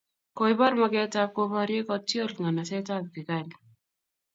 koibor magetab koborye kotiol nganaset ab Kigali